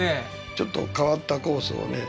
ちょっと変わったコースをね